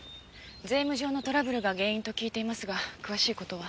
税務上のトラブルが原因と聞いていますが詳しい事は。